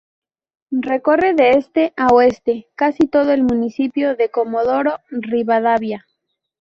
Recorre de este a oeste, casi todo el municipio de Comodoro Rivadavia.